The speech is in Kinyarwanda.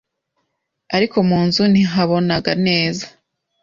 ariko mu nzu ntihabonaga neza.